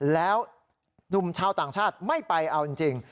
แล้วหนุ่มชาวต่างชาติไม่ไปเอาจริง